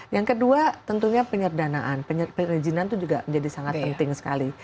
yang kedua tentunya penyerdanaan perizinan itu juga menjadi sangat penting sekali